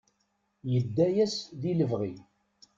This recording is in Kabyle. Yedda-yas di lebɣi.